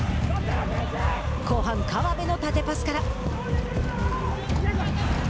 後半、川辺の縦パスから。